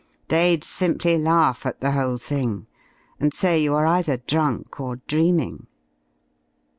They'd simply laugh at the whole thing, and say you were either drunk or dreaming.